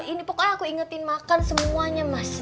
ini pokoknya aku ingetin makan semuanya mas